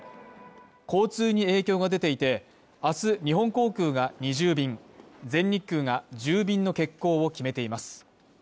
交通に影響が出ていて、明日、日本航空が２０便、全日空が１０便の欠航を決めています。